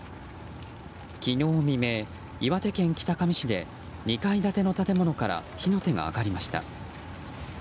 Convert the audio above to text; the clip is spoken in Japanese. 昨日未明、岩手県北上市で２階建ての建物から火の手が上がりました。